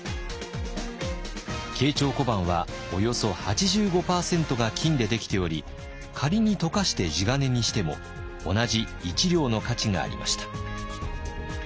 慶長小判はおよそ８５％が金でできており仮に溶かして地金にしても同じ１両の価値がありました。